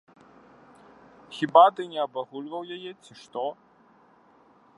Хіба ты не абагульваў яе, ці што?